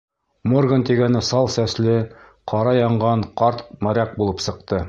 Морган тигәне сал сәсле, ҡара янған ҡарт моряк булып сыҡты.